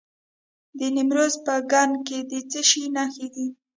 د نیمروز په کنگ کې د څه شي نښې دي؟